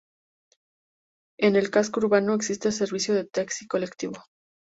En el casco urbano existe servicio de taxi y colectivo.